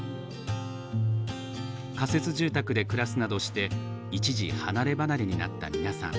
仮設住宅で暮らすなどして一時離れ離れになった皆さん。